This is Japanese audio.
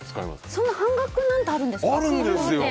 そんな半額なんてあるんですか。